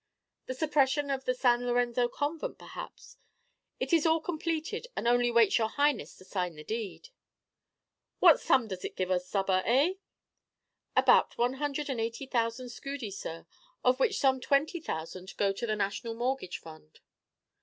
"The suppression of the San Lorenzo convent, perhaps; it is all completed, and only waits your Highness to sign the deed." "What sum does it give us, Stubber, eh?" "About one hundred and eighty thousand scudi, sir, of which some twenty thousand go to the National Mortgage Fund."